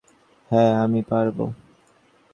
হ্যাঁ, আমি পারবো!